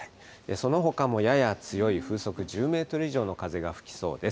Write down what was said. そのほかもやや強い風速１０メートル以上の風が吹きそうです。